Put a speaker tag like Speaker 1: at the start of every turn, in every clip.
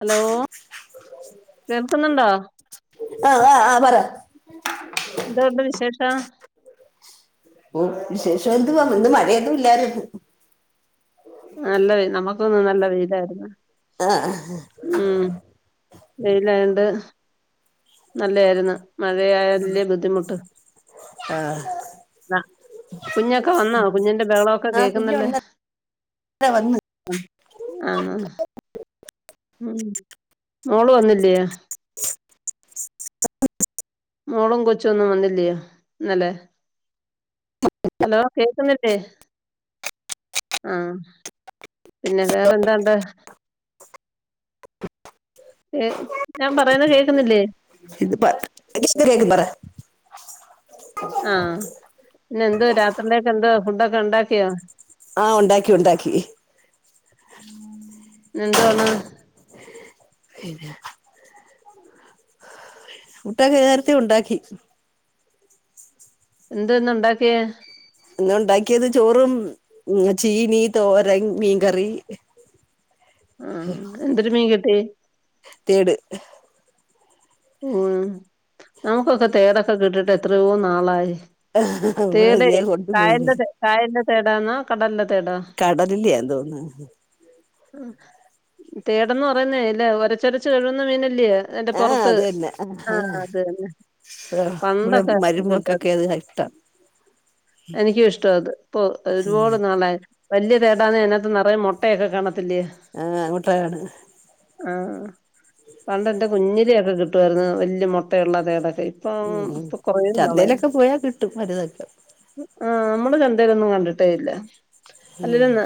Speaker 1: Hello കേക്കുന്നുണ്ടോ
Speaker 2: ആഹ് ആഹ് അഹ് പറ
Speaker 1: എന്തോണ്ട് വിശേഷം
Speaker 2: ഓഹ് വിശേഷം എന്ത് വാ ഇന്ന് മഴയന്നും ഇല്ലാരുന്നു
Speaker 1: നല്ല വീ നമുക്കൊന്നും നല്ല വീതായിരുന്നു
Speaker 2: ആഹ് ആഹ്
Speaker 1: ഉം വെയിലണ്ട് നല്ലതായിരുന്നു മഴയായതിന്റെ ബുദ്ധിമുട്ട്
Speaker 2: ആഹ്
Speaker 1: ആ കുഞ്ഞൊക്കെ വന്നോ കുഞ്ഞിന്റെ ബെളമൊക്കെ കേൾക്കുന്നല്ലേ
Speaker 2: [unintelligible] വന്ന്‌
Speaker 1: ആ ആന്നോ മം മോള് വന്നില്ലേ
Speaker 2: [unintelligible]
Speaker 1: മോളും കൊച്ചുഒന്നും വന്നില്ലയോ ഇന്നലെ ഹലോ കേൾക്കുന്നില്ലേ ആഹ് പിന്നെ വേറെന്താണ്ട് ഞാൻ പറയുന്ന കേൾക്കുന്നില്ലേ
Speaker 2: ഇത് പ [inaudible]
Speaker 1: ആഹ് പിന്നെ എന്തോ രാത്രിയിലക്ക എന്തോ ഫുഡൊക്കെ ഉണ്ടാക്കിയോ
Speaker 2: ആഹ് ഉണ്ടാക്കി ഉണ്ടാക്കി
Speaker 1: എന്താണ്
Speaker 2: പിന്നെ ഫുടൊക്കെ നേരത്ത ഉണ്ടാക്കി
Speaker 1: എന്തന്നുണ്ടാക്കിയെ
Speaker 2: എന്ത‌ ഉണ്ടാക്കിയത് ചോറും ചീനി തോരൻ മീൻകറി
Speaker 1: ഉം എന്തൊരു മീൻ കിട്ടി
Speaker 2: തേട്
Speaker 1: ഉം നമുക്കൊക്കെ തേരൊക്കെ കിട്ടിട്ട് എത്രയോ നാളായി തേട്
Speaker 2: ഇവിടെല്ലേ കൊണ്ടുപോയിന്ന്
Speaker 1: ക്കായന്റെ കായൽ ന്റെ തേടാന്ന കടലിന്റെ തേടാ
Speaker 2: കടലിലെയതോന്നണത്
Speaker 1: തേടന്ന് പറയുന്നേ അല് ഒരച്ചരച്ച് കഴുകുന്ന മീനല്ലേ എന്റെ പുറത്ത്
Speaker 2: ആഹ് അത് തന്നെ
Speaker 1: ആഹ
Speaker 2: ആഹ്
Speaker 1: അത് തന്നെ
Speaker 2: ഇവിടെ
Speaker 1: പണ്ടൊക്കെ
Speaker 2: മരുമക്കൊക്കെ അത് ഇഷ്ട
Speaker 1: എനിക്കു ഇഷ്ട അത് ഇപ്പൊ ഒരുപാട് നാളെ വലിയ തേടാന്ന് അതിനകത്ത് നിറയെ മു മുട്ടയൊക്കെ കാണത്തില്ലേ
Speaker 2: ആഹ് അങ്ങോട്ടാണ്
Speaker 1: ആഹ പണ്ടെന്റെ കുഞ്ഞിലെയൊക്കെ കിട്ടുവായിരുന്നു വല്യ മുട്ടയുള്ളതേടൊക്കെ
Speaker 2: ഉം ചന്തയിലൊക്കെ പോയാൽ കിട്ടും വലുതൊക്കെ
Speaker 1: ആഹ് നമ്മള് ചന്തേയിലൊന്നും കണ്ടിട്ടേ ഇല്ല അല്ലെങ്ക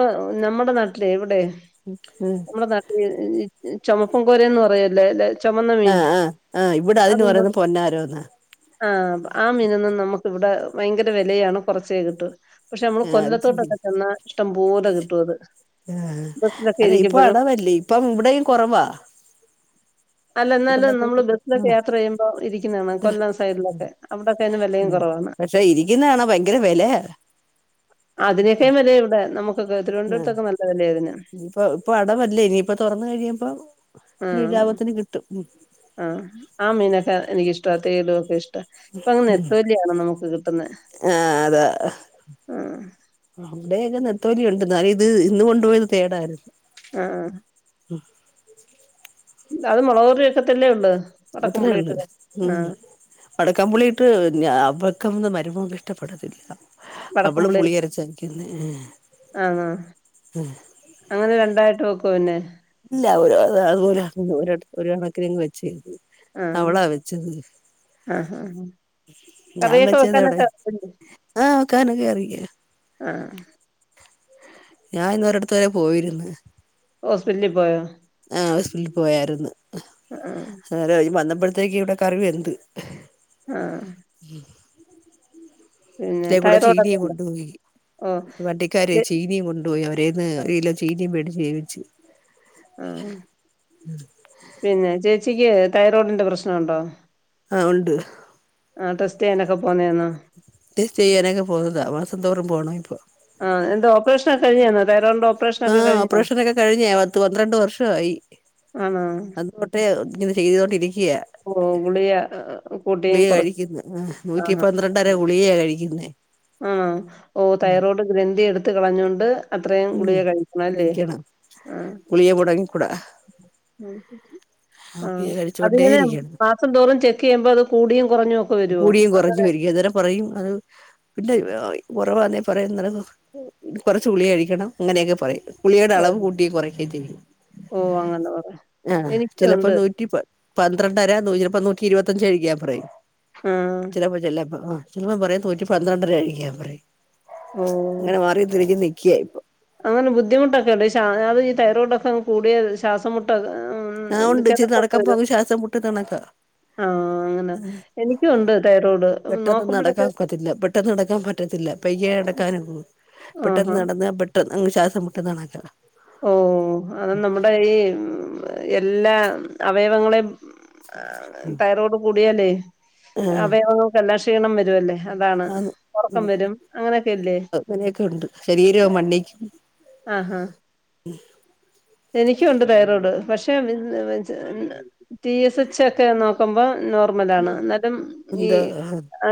Speaker 1: ആ നമ്മുടെ നാട്ടിലെ എവിടെ
Speaker 2: ഉം
Speaker 1: നമ്മുടെ നാട്ടില് ചുമപ്പൻ കോരന്ന് പറയല്ലേല്ലെ
Speaker 2: ആഹ് ആഹ് ആഹ് ഇവിടെ അതിന് പറയുന്ന പൊന്നാരോന്ന
Speaker 1: ആഹ ആ മീനന്നും നമുക്ക് ഇവിടെ ഭയങ്കര വിലയാണ് കുറച്ചേ കിട്ടു പക്ഷെ നമ്മള്
Speaker 2: ആഹ് അത് ശരി
Speaker 1: കൊല്ലത്തോട്ടൊക്കെ ചെന്ന ഇഷ്ടംപോലെ കിട്ടുവത്
Speaker 2: ആഹ അല്ലെ ഇപ്പ അടവല്ലേ ഇപ്പം ഇവിടെയും കുറവാ
Speaker 1: അല്ല
Speaker 2: ആഹ്
Speaker 1: എന്നാലും നമ്മള് ബസ്സിലൊക്കെ യാത്ര ചെയ്യുമ്പോ ഇരിക്കുന്നതാണ് കൊല്ലം സൈഡിലൊക്കെ അവിടോക്കെ അതിന് വിലയും
Speaker 2: ഉം
Speaker 1: കുറവാണ്
Speaker 2: പക്ഷെ ഇരിക്കുന്നത് കാണാ ഭയങ്കര വിലയാ
Speaker 1: അതിനൊക്കാ വിലയ ഇവിടെ നമുക്ക് തിരുവനന്തുരതൊക്കെ നല്ല വിലയ
Speaker 2: ഇനിപ്പ ഇപ്പൊ അടവല്ലേ ഇനിയിപ്പ തുറന്ന് കഴിയുമ്പ ലാഭത്തിന് കിട്ടും
Speaker 1: ആഹ് ആ മീനൊക്കെ എനക്ക് ഇഷ്ട തേട് ഒക്കെ ഇഷ് ഇപ്പ അങ്ങ നെത്തോലിയ നമുക്ക് കിട്ടുന്നെ
Speaker 2: ആഹ് അതാ
Speaker 1: ആ
Speaker 2: അവിടെയൊക്കെ നെത്തോലി ഉണ്ടന്ന് ഇത് ഇന്ന് കൊണ്ടുപോയത് തേടായിരുന്നു
Speaker 1: ആഹ അത് മുളകൂകറിക്കെത്തല്ലേ ഉള്ളൂ
Speaker 2: അത്രേ
Speaker 1: വടക്കമ്പുളി ഇട്ട്
Speaker 2: ഉള്ളു ഉം
Speaker 1: ആഹ്
Speaker 2: അടക്കാൻ പൊള്ളിയിട്ട് ഞാ അവർക്കന്ന് മരുമോ ഇഷ്ടപ്പെടത്തില്ല അവള്
Speaker 1: വടക്കമ്പുളി
Speaker 2: പുളി അരച്ചക്കുന്നെ
Speaker 1: ആഹ് ആഹ്
Speaker 2: ഹ്
Speaker 1: അങ്ങനെ രണ്ടായിട്ട് നോക്കോ പിന്നെ
Speaker 2: ഇല്ല [unintelligible] കണക്കിന് വെച്ച്ത്
Speaker 1: ആഹ്
Speaker 2: അവളാ വെച്ചത്
Speaker 1: ആഹ് ആഹ്
Speaker 2: ഞാൻ
Speaker 1: കറിയൊക്കെ
Speaker 2: വെച്ചത് എവിടെ
Speaker 1: വെക്കാനൊക്കെ
Speaker 2: ആഹ് കാനൊക്കെ അറീയെ
Speaker 1: ആഹ്
Speaker 2: ഞാൻ ഇന്ന് ഒരിട്ത്ത് വരെ പോയിരിന്ന്
Speaker 1: ഹോസ്പിറ്റ്ൽ പോയോ
Speaker 2: ആ ഹോസ്പിറ്റലിൽ പോയായിരുന്നു
Speaker 1: മ്മ്
Speaker 2: നേര ഈ വന്നപ്പോഴത്തേക്ക് ഇവിടെ കറിവ് വെന്ത്
Speaker 1: ആഹ് പിന്നെ
Speaker 2: ഇതെകൂടെ ചീനീ
Speaker 1: തൈറോയ്ഡൊക്കെ ഉണ്ടോ
Speaker 2: കൊണ്ട് പോയി
Speaker 1: ഓഹ്
Speaker 2: വണ്ടിക്കാരെ ചീനീം കൊണ്ട് പോയി അവരേല്ന്ന് ഒരികിലോ ചീനി വേടിച്ച് വേവിച്ച്
Speaker 1: ആഹ് പിന്നെ ചേച്ചിക്ക് തൈറോയ്ഡിന്റെ പ്രശ്നംഉണ്ടോ?
Speaker 2: ആഹ് ഉണ്ട്
Speaker 1: ആ ടെസ്റ്റ് ചെയ്യാനൊക്കെ പോന്നതന്നോ
Speaker 2: ടെസ്റ്റ് ചെയ്യാനൊക്കെ പോകുന്നതാ. മാസം തോറും പോകണം ഇപ്പോൾ
Speaker 1: ആഹ് എന്ത ഓപ്പറേഷനാ കഴിഞ്ഞന്നോ തൈറോ
Speaker 2: ആഹ് ഓപ്പറേഷനൊക്കെ കഴിഞ്ഞ പത്ത് പന്ത്രണ്ട് വർഷയി
Speaker 1: ആണോ
Speaker 2: ഇത് ചെയ്തോണ്ടിരിക്കുകയ
Speaker 1: ഓഹ് ഗുളിക കൂട്ടിയും
Speaker 2: ഗുളിക
Speaker 1: കുറച്ച്
Speaker 2: കഴിക്കുന്ന
Speaker 1: ആഹ്
Speaker 2: നൂറ്റി പന്ത്രണ്ടര ഗുളിക കഴിക്കുന്നേ
Speaker 1: ആഹ് ഓ തൈറോയ്ഡ് ഗ്രന്ഥി എടുത്ത കളഞ്ഞൊണ്ട് അത്രയും
Speaker 2: ഉം
Speaker 1: ഗുളിക കഴിക്കണംല്ലേ
Speaker 2: കഴിക്കണം
Speaker 1: ആഹ്
Speaker 2: ഗുളിക മുടങ്ങിക്കൂടാ
Speaker 1: [unintelligible] ആ
Speaker 2: ഗുളിക കഴിച്ചോണ്ടേ
Speaker 1: അതിങ്ങനെ
Speaker 2: ഇരിക്കണം
Speaker 1: മാസം തോറും ചെക്ക് ചെയ്യുമ്പോ അത് കൂടിയും കുറഞ്ഞു ഒക്കെ വരുമോ അങ്ങെനെ
Speaker 2: കൊറയും അത് പിന്നെ ഉറവാന്നെ പറയും കുറച്ച് ഗുളിയായി ക്കണം അങ്ങനെയൊക്കെ പറയും ഗുളികയുടെ
Speaker 1: ഓ
Speaker 2: അളവ് കൂട്ടി കുറക്കേ ചെയ്യും
Speaker 1: ഓ അങ്ങനെ പറ
Speaker 2: ആ
Speaker 1: എനിക്കും
Speaker 2: ചിലപ്പോ
Speaker 1: ഉണ്ട്
Speaker 2: നൂറ്റി പ പന്ത്രണ്ടര നൂപ്പ നൂറ്റി ഇരുപത്തഞ്ചച് കഴിക്കാൻപറയും
Speaker 1: ആഹ്
Speaker 2: ചിലപ്പോ ച ചിലപ്പോ പറയും നൂറ്റി പന്ത്രണ്ടര കഴിക്കാൻ പറയും
Speaker 1: ഓ
Speaker 2: അങ്ങനെ മാറി തിരിക നിക്കിയ ഇപ്പൊ
Speaker 1: അങ്ങനെ ബുദ്ധിമുട്ടൊക്കെണ്ട് അത് തൈറോഡൊക്കെങ് കൂടിയ ശ്വാസമുട്ട്
Speaker 2: ആഹ് ഉണ്ട് ഇച്ചിരി നടക്കമ്പോ അങ്ങ് ശ്വാസം മുട്ട്ന്ന കണക്കാ
Speaker 1: ആഹ് അങ്ങനെ എനിക്കുംഒണ്ട് തൈറോഡ്
Speaker 2: പെട്ടെന്ന് നടക്കാൻ
Speaker 1: നോക്കുമ്പോഴൊക്കെ
Speaker 2: ഒക്കത്തില്ല പെട്ടെന്ന് നടക്കാൻ പറ്റത്തില്ല, പയ്യെ അ നടക്കാനും പെട്ടെന്ന്
Speaker 1: ആഹാ
Speaker 2: നടന്ന അങ്ങ് ശ്വാസംമുട്ട്ന്ന കാണക്കാ
Speaker 1: ഓഹ് അത് നമ്മുടെ ഈ എല്ലാ അവയവങ്ങളെയും ആ തൈറോയ്ഡ് കൂടിയാലേ
Speaker 2: ആഹ്
Speaker 1: അവയവങ്ങൾക് എല്ലാം ക്ഷീണം വരുവല്ലേ അതാണ്
Speaker 2: ആന്ന്
Speaker 1: ഉറക്കം വരും. അങ്ങനെയൊക്കെ ഇല്ലേ
Speaker 2: അങ്ങനെയൊക്കെ ഉണ്ട് ശരീരം മണ്ണി
Speaker 1: ആഹ്ഹ എനിക്കുണ്ട് തൈറോയ്ഡ് പക്ഷെ ടി എസ് എച്ച് ഒക്കെ നോ ക്കുമ്പോ നോർമൽ ആണ് എന്നാലും ഈ
Speaker 2: എന്താ
Speaker 1: ആ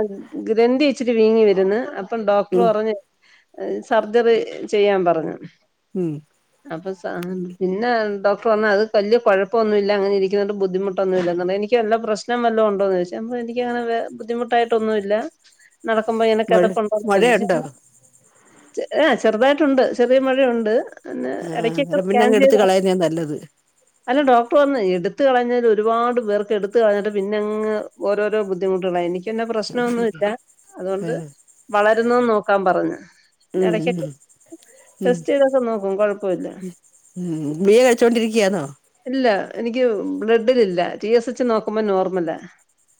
Speaker 1: ഗ്രന്ഥി വച്ചിട്ട് വീങ്ങി വര്ന്ന് അപ്പം ഡോക്ടർ
Speaker 2: ഉം
Speaker 1: പറഞ് സർജറി ചെയ്യാൻ പറഞ്ഞു
Speaker 2: ഉം
Speaker 1: അപ്പൊ സ പിന്നെ ഡോക്ർ പർഞ്ഞ് അത് വല്യ കുഴപ്പൊന്നുല്ല അങ്ങനെ ഇരിക്കുന്നണ്ട് ബുദ്ധിമുട്ടൊന്നുല്ലന്ന് എനിക്ക്നല്ല പ്രശ് പ്രശ്നം വല്ലതോണ്ടോന്ന് ചോദിച്ച് അപ്പ എനിക്ക് അങ്ങനെ വെ ബുദ്ധിമുട്ടായിട്ടൊന്നും ഇല്ല നടക്കുമ്പോ ഇങ്ങനെ
Speaker 2: മഴ
Speaker 1: കതപ്പുണ്ടോന്ന് ചോദിച്ചു
Speaker 2: മഴയുണ്ടോ
Speaker 1: ചെല ചെറുതായിട്ടുണ്ട് ചെറിയ മഴയുണ്ട് പിന്നെ
Speaker 2: ആഹ്
Speaker 1: ഇടക്കൊക്കെ
Speaker 2: അന്നേരം പിന്നെ അങ്ങ് എടുത്ത് കളയന്നാ നല്ലത്
Speaker 1: അല്ല ഡോക്ടർ പറഞ്ഞ് എടുത്ത് കളഞ്ഞാല് ഒരുപാട് പേർക്ക് എടുത്ത് കളഞ്ഞിട്ട് പിന്നെ അങ്ങ് ഓരോരോ ബുദ്ധിമുട്ടുകളായി എനിക്ക് പിന്നെ പ്രശ്നം
Speaker 2: അത്
Speaker 1: ഒന്നും
Speaker 2: ശരിയാ
Speaker 1: ഇല്ല. അതുകൊണ്ട്
Speaker 2: ആഹ്
Speaker 1: വളരുന്ന് നോക്കാൻ പറഞ്ഞ്
Speaker 2: ഉം ഉം ഉം
Speaker 1: ടെസ്റ്റ് ചെയ്തൊക്കെ നോക്കും കൊഴപ്പോല്ല.
Speaker 2: ഉം ഗുളിക കഴിച്ചോണ്ടിരിക്ക്യാണൊ.
Speaker 1: ഇല്ല എനിക്ക് ബ്ലഡില് ഇല്ല. ടി എസ് എച്ച് നോക്കുമ്പോ നോർമല.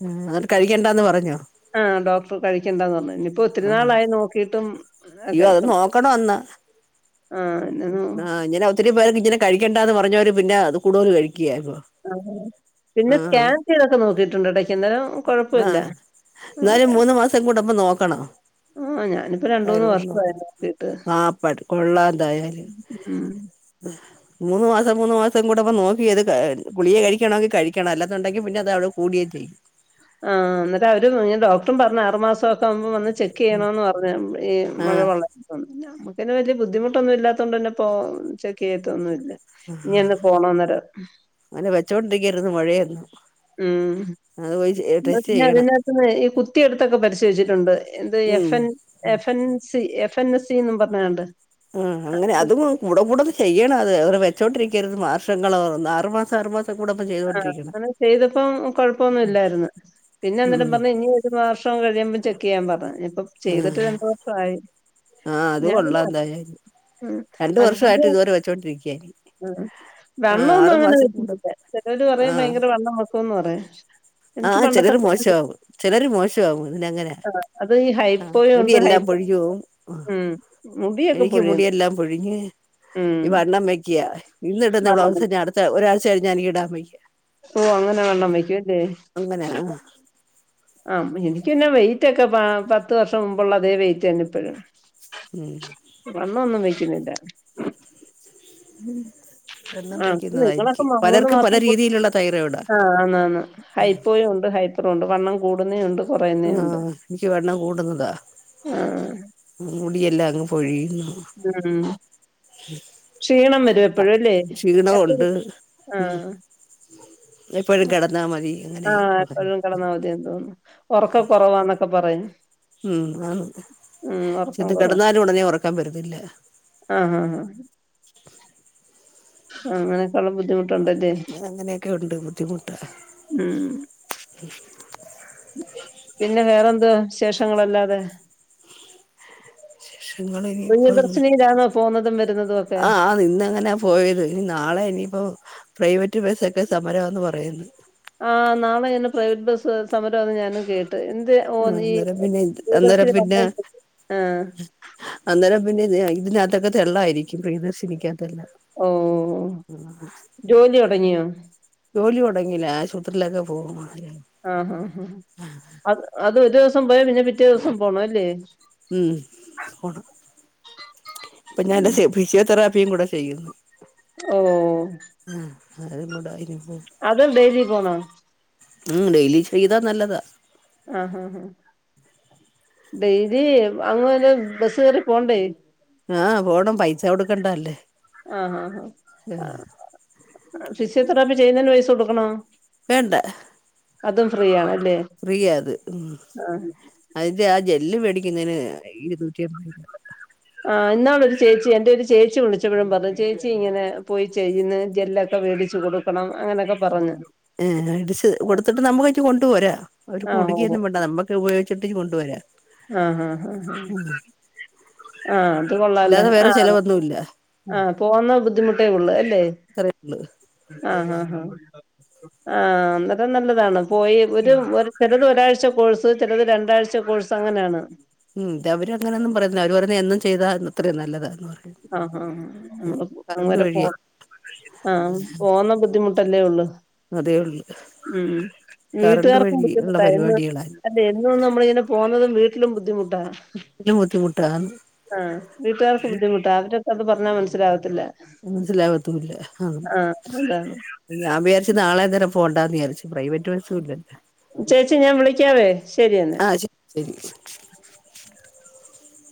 Speaker 2: ഉം അത് കഴിക്കണ്ടാന്ന് പറഞ്ഞോ
Speaker 1: അ ഡോക്ടർ കഴിക്കണ്ടാന്ന് പറഞ്ഞു. ഇഞ്ഞ്പ്പ
Speaker 2: ആഹ്
Speaker 1: ഒത്തിരിനാളായി നോക്കീട്ടും.
Speaker 2: ക്കണ്ട [unintelligible] വന്ന്
Speaker 1: പിന്നെ നോ
Speaker 2: ആ [inaudible] ഒത്തിരി പേർക്ക് ഇങ്ങനെ കഴിക്കണ്ട എന്ന് പറഞ്ഞവര് പിന്നെ അത് കൂടുതല് കഴിക്ക്യാ ഇപ്പോ
Speaker 1: ആ പിന്നെ സ്കാൻ ചെയ്തൊക്കെ നോക്കിട്ടുണ്ട്. ഇടക്ക് എന്നാലും കൊഴപ്പുല്ല.
Speaker 2: ഇന്നാലും മൂന്നു മാസം കൂടുമ്പം നോക്കണം.
Speaker 1: ആഹ് ഞാനിപ്പോ രണ്ട് മൂന്ന്
Speaker 2: അവരോട്
Speaker 1: വർഷമായി
Speaker 2: നോക്കണം.
Speaker 1: നോക്കിട്ട്
Speaker 2: ആ പ [unintelligible] ട് കൊള്ളാ ണ്ടായാല്.
Speaker 1: ഉം
Speaker 2: ഉം മൂന്ന് മാസം മൂന്ന് മാസം കൂടുമ്പം നോക്കിയത്. ഗുളിക കഴിക്കണെങ്കി കഴിക്കണം. അല്ലെന്നുണ്ടെങ്കിൽ പിന്നെ അത് അവിടെ കൂടേയും ചെയ്യും.
Speaker 1: ആ ഇന്നട്ട് അവര് ഇ ഡോക്ടറും പറഞ്ഞ് ആറ് മാസം ഒക്കെ ആവുമ്പം വന്ന്. ചെക്ക് ചെയ്യണോന്ന് പറഞ്ഞ്. ഈ മഴ
Speaker 2: ആഹ്
Speaker 1: കൊള്ളാൻ നമുക്കെന്നെ വല്യെ ബുദ്ധിമുട്ടൊന്നും ഇല്ലാത്തോണ്ടെന്നെ ഇപ്പോ ചെക്ക് ചെയ്യത്തൊന്നും ഇല്ല. ഇനി ഒന്ന് പോണന്നെരം
Speaker 2: അങ്ങനെ വെച്ചോണ്ടിരിക്കരുത്
Speaker 1: ഉം
Speaker 2: അഹ് പോയി. ടെസ്റ്റ്
Speaker 1: പിന്നെ
Speaker 2: ചെയ്യണം
Speaker 1: അതിനകത്ത്ന്നെ ഈ കുത്തിയെടുത്തൊക്കെ പരിശോധിച്ചിട്ടുണ്ട്. എന്ത്
Speaker 2: ഉം
Speaker 1: F N F N C F N C എന്നും പറഞ്ഞ്ങ്ങാണ്ട്.
Speaker 2: ഉം അങ്ങനെ അതും കൂടെ കൂടെ ചെയ്യണം. അത് അവടെ വെച്ചോണ്ടിരിക്കരുത് മാ- ഇപ്പൊ ഇങ്ങളൊ ആറ്മാസം ആറ്മാസം. കൂടെ ഇപ്പം ചെയ്
Speaker 1: ആ അങ്ങനെ ചെയ്തപ്പം കൊഴപ്പൊന്നും ഇല്ലായിരുന്ന്. പിന്നെ ഇന്നട്ടും
Speaker 2: ഉം
Speaker 1: പറഞ്ഞ് ഇഞ്ഞ് ഒരു വാർഷം കഴിയുമ്പം ചെക്ക് ചെയ്യാൻ പറ്ഞ്ഞ്. ഇഞ്പ്പം ചെയ്തിട്ട് രണ്ടു വർഷം ആയി.
Speaker 2: ആ അത് കൊള്ളാ എന്തായാലും.
Speaker 1: ഉം
Speaker 2: രണ്ട് വർഷമായിട്ട്
Speaker 1: അധികം
Speaker 2: ഇതുപോലെ വെച്ചോണ്ടിരിക്കയാ
Speaker 1: ഉം മ [unintelligible]
Speaker 2: ആഹ്
Speaker 1: ണ്ണൊന്നും അങ്ങനെ
Speaker 2: ആറുമാസം കൂടുമ്പോ
Speaker 1: വെച്ചിട്ടില്ല. ചെലോര് പറയും ഭയങ്കര വണ്ണം വെക്കുംന്ന് പറയും.
Speaker 2: ആ
Speaker 1: എനിക്ക് പണ്ടത്തെ
Speaker 2: ചെലർ
Speaker 1: അത്രയും
Speaker 2: മോശമാവും. ചെലർ മോശമാവും പിന്നെ അങ്ങനെ.
Speaker 1: അത് ഈ
Speaker 2: ആ
Speaker 1: ഹൈപ്പോയും ഉണ്ട്
Speaker 2: മുടിയെല്ലാം
Speaker 1: ഹൈപ്പോ
Speaker 2: പൊഴിഞ്ഞു പോകും.
Speaker 1: ഉം മുടിയൊക്കെ
Speaker 2: എനിക്ക്
Speaker 1: പൊഴിയും
Speaker 2: മുടിയെല്ലാം പൊഴിഞ്ഞ്
Speaker 1: ഉം
Speaker 2: ഈ വണ്ണം വെക്ക ഇന്നിടുന്ന
Speaker 1: വണ്ണം
Speaker 2: ബ്ലൗസ്
Speaker 1: വെക്കും.
Speaker 2: ഇഞ്ഞ് അടുത്ത ഒരാഴ്ച കഴിഞ്ഞാ എനിക്ക് ഇടാൻ വയ്യ.
Speaker 1: ഓ അങ്ങനെ വണ്ണം വയ്ക്കും അല്ലെ.
Speaker 2: അങ്ങനെ ആഹ്
Speaker 1: ആ എനിക്ക് പിന്നെ വെയിറ്റ് ഒക്കെ പ പത്ത് വർഷം മുമ്പുള്ള അതേ വെയിറ്റ് തന്നെ ഇപ്പഴും.
Speaker 2: ഉം
Speaker 1: വണ്ണൊന്നും വെക്കുന്നില്ല.
Speaker 2: വണ്ണം
Speaker 1: ആ
Speaker 2: വെക്കുന്നതാ എനിക്ക്
Speaker 1: നിങ്ങളൊക്കെ മ മൂന്ന്
Speaker 2: പലർക്കും പല
Speaker 1: മാസം കൂടുമ്പോ
Speaker 2: രീതിയിലുള്ള തൈറോയിഡാ
Speaker 1: ആ ആന്ന് ആന്ന് ഹൈപ്പോയുണ്ട് ഹൈ അത് കൊണ്ട് വണ്ണം കൂടുന്നേ ഉണ്ട് കുറയുന്നേ
Speaker 2: ആ
Speaker 1: ഉണ്ട്
Speaker 2: ഇൻക്ക് വണ്ണം കൂടുന്നതാ
Speaker 1: ആഹ്
Speaker 2: മുടിയെല്ലാം അങ്ങ് പൊഴിയുന്നു
Speaker 1: ഉം ക്ഷീണം വെ എപ്പോഴൊല്ലേ
Speaker 2: ക്ഷീണവുണ്ട്
Speaker 1: എപ്പഴും ആ.
Speaker 2: എപ്പോഴും കെടന്നാ മതി അങ്ങനെ
Speaker 1: കെടന്നാ മതി തോന്നുന്നു. ഒറക്കം കൊറവാന്നൊക്കെ പറ
Speaker 2: ഉം ആന്ന്
Speaker 1: ഉറക്കം
Speaker 2: ചത്
Speaker 1: കുറവ്
Speaker 2: കെടന്നാലും ഉടനെ ഒറക്കം വെരത്തില്ല.
Speaker 1: ആഹ് ആഹ് ആഹ് ആഹ് അങ്ങനെയൊക്കെയൊള്ള ബുദ്ധിമുട്ട്ണ്ടല്ലേ
Speaker 2: അങ്ങനെയൊക്കെ ഉണ്ട് ബുദ്ധിമുട്ടാ
Speaker 1: ഉം പിന്നെ വേറെ എന്തുവാ വിശേഷങ്ങളല്ലാതെ?
Speaker 2: വിശേഷങ്ങൾ ഇനിയിപ്പം
Speaker 1: പ്രിയദർശിനിയിലാണോ പോന്നതും വരുന്നതും ഒക്കെ?
Speaker 2: അത് ഇന്നങ്ങനെ പോയത് ഇനി നാളെ ഇനിയിപ്പോ പ്രൈവറ്റ് ബസ്സൊക്കെ സമരവാന്ന് പറയുന്ന്
Speaker 1: ആഹ് നാളെ ഇങ്ങനെ പ്രൈവറ്റ് ബസ്സ് സമരവാന്ന് ഞാനും കേട്ട് എന്ത് ഓ
Speaker 2: ആഹ്
Speaker 1: നീ
Speaker 2: അന്നേരം പിന്നെ ഇത് അന്നേരം
Speaker 1: പ്രിയദർശിനി
Speaker 2: പിന്നെ
Speaker 1: വന്നേ ആഹ്
Speaker 2: അന്നേരം പിന്നെ ആഹ് ഇതിനാത്തൊക്കെ തെള്ളായിരിക്കും പ്രിയദർശിനിക്കാത്തെല്ലാം.
Speaker 1: ഓഹ് ജോലി തൊടങ്ങിയോ?
Speaker 2: ജോലി തൊടങ്ങീല്ലാ ആശുപത്രിയിലൊക്കെ പോവും
Speaker 1: ആഹ് ആഹ് ആഹ് അത് അത് ഒരു ദിവസം പോയാ പിന്നെ പിറ്റേ ദിവസം പോണല്ലേ?
Speaker 2: ഉം പോണം ഇപ്പൊ ഞാൻ
Speaker 1: ഉം
Speaker 2: തെ ഫിസിയോതെറാപ്പിയും കൂടെ ചെയ്യുന്നു.
Speaker 1: ഓഹ് ഓഹ്
Speaker 2: ആഹ് അവരതും കൂടായിനിയിപ്പോ
Speaker 1: അതും ഡെയ്ലി പോണോ?
Speaker 2: ഉം ഡെയിലി ചെയ്താ നല്ലതാ.
Speaker 1: ആഹ് ആഹ് ഡെയിലി അങ്ങുന്ന് ബസ് കേറി പോണ്ടേ?
Speaker 2: ആഹ് പോണം പൈസ കൊടുക്കണ്ട അല്ലേ?
Speaker 1: ആഹ് ആഹ് ആഹ് ഫിസിയോ തെറാപ്പി ചെയ്യുന്നതിന് പൈസ കൊടുക്കണോ?
Speaker 2: വേണ്ടാ
Speaker 1: അതും ഫ്രീയാണല്ലേ?
Speaker 2: ഫ്രീയാത് ഉം അതിന്റെ ആ ജെല്ല് മേടിക്കുന്നേന് ഇരുന്നൂറ്റിഅമ്പത് രൂപ
Speaker 1: ആഹ് ഇന്നാള് ഒരു ചേച്ചി എന്റെ ഒരു ചേച്ചി വിളിച്ചപ്പഴും പറഞ്ഞു ചേച്ചി ഇങ്ങനെ പോയി ചെയ്യുന്നെ ജെല്ലെ ക്കെ മേടിച്ച് കൊടുക്കണം അങ്ങനെയൊക്കെ പറഞ്ഞ്
Speaker 2: ഏഹ് മേടിച്ച് കൊടുത്തിട്ട് നമ്മക്കിങ്ങ് കൊണ്ടു പോരാ അവര്ക്ക്‌
Speaker 1: ആഹ് ഓ
Speaker 2: കൊടുക്കയൊന്നും വേണ്ടാ നമ്മക്കുപയോഗിച്ചിട്ട് ഇങ്ങ് കൊണ്ടു പോരാ
Speaker 1: ആഹ് ആഹ് ആഹ് ആഹ് അത് കൊള്ളാല്ലോ
Speaker 2: അല്ലാതെ വേറെ
Speaker 1: ആഹ്
Speaker 2: ചെലവൊന്നുല്ല
Speaker 1: ആഹ് പോന്ന ബുദ്ധിമുട്ടേ ഉള്ളൂ അല്ലേ?
Speaker 2: ത്രേയുള്ളു
Speaker 1: ആഹ് ആഹ് ആഹ് ആഹ് അന്നാരം നല്ലതാണ് പോയി ഒരു ഒര് ചെലത് ഒരാഴ്ച കോഴ്സ് ചെലത് രണ്ടാഴ്ച കോഴ്സ് അങ്ങനാണ്
Speaker 2: ഉം ഇതവര് അങ്ങനൊന്നും പറയുന്നില്ലാ അവര് പറയുന്നെ എന്നും ചെയ്താ അത്രയും നല്ലതാന്ന് പറയും
Speaker 1: ആഹ് ആഹ് നമ്മക്ക്
Speaker 2: കറണ്ട്
Speaker 1: അന്നേരം പോ
Speaker 2: വഴിയെ
Speaker 1: ആഹ് പോന്ന ബുദ്ധിമുട്ടല്ലേ ഉള്ളൂ?
Speaker 2: അതേ ഉള്ളൂ
Speaker 1: ഉം
Speaker 2: കറണ്ട്
Speaker 1: വീട്ടുകാർക്കും
Speaker 2: വഴി ഉള്ള
Speaker 1: ബുദ്ധിമുട്ടാ ഇന്ന്
Speaker 2: പരിപാടികളാ
Speaker 1: ഇത് എന്നും നമ്മളിങ്ങനെ പോന്നതും വീട്ടിലും ബുദ്ധിമുട്ടാ
Speaker 2: [unintelligible] ബുദ്ധിമുട്ടാ
Speaker 1: ആഹ് വീട്ടുകാർക്ക് ബുദ്ധിമുട്ടാ അവരൊക്കെ അത് പറഞ്ഞാ മനസ്സിലാവത്തില്ലാ
Speaker 2: മനസ്സിലാവത്തൂല്ലാ ആഹ്
Speaker 1: അതാണ്
Speaker 2: ഞാൻ വിചാരിച്ച് നാളെയന്നേരം പോണ്ടാന്ന് വിചാരിച്ചു പ്രൈവറ്റ് ബസ്സും ഇല്ലല്ലോ?
Speaker 1: ചേച്ചി ഞാൻ വിളിക്കാവേ ശരിയെന്നാ
Speaker 2: ആഹ് ശരി ശരി